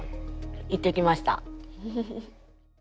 行ってきました。